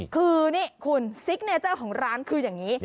คือนี่คุณซิกเนเจอร์ของร้านคืออย่างนี้